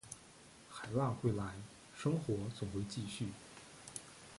海浪会来，生活总会继续